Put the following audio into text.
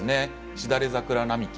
しだれ桜並木。